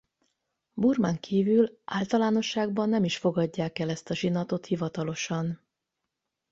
Burmán kívül általánosságban nem is fogadják el ezt a zsinatot hivatalosan.